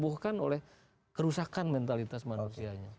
sudah dirobohkan oleh kerusakan mentalitas manusianya